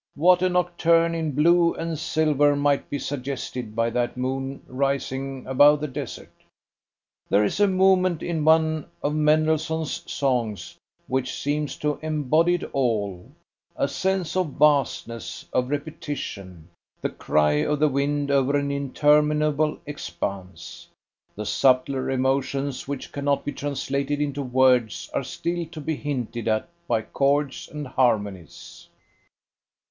What a nocturne in blue and silver might be suggested by that moon rising above the desert. There is a movement in one of Mendelssohn's songs which seems to embody it all a sense of vastness, of repetition, the cry of the wind over an interminable expanse. The subtler emotions which cannot be translated into words are still to be hinted at by chords and harmonies."